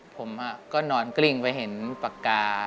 ผมก็นอนกลิ้งไปเห็นปากกา